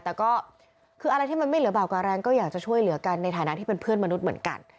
แต่ก็คืออะไรที่มันไม่เหลือเบากว่าแรงก็อยากจะช่วยเหลือกันในฐานะที่เป็นเพื่อนมนุษย์เหมือนกัน